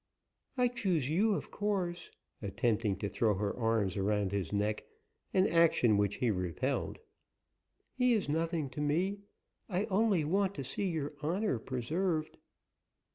"I choose you, of course," attempting to throw her arms around his neck, an action which he repelled. "He is nothing to me; I only want to see your honor preserved."